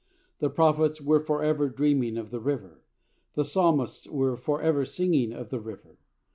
The prophets were for ever dreaming of the river; the psalmists were for ever singing of the river.